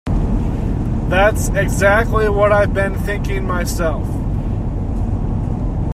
That's exactly what I've been thinking myself.